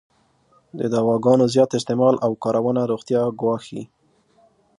د دواګانو زیات استعمال او کارونه روغتیا ګواښی.